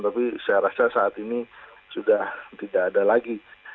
tapi saya rasa saat ini sudah tidak ada lagi